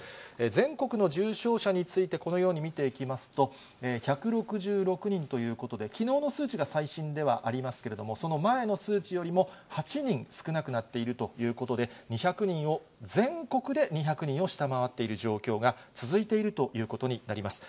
全国の重症者について、このように見ていきますと、１６６人ということで、きのうの数値が最新ではありますけれども、その前の数値よりも８人少なくなっているということで、２００人を全国で２００人を下回っている状況が続いているということになります。